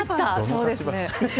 そうですね。